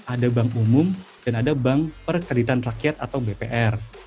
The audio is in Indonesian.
ada bank umum dan ada bank perkreditan rakyat atau bpr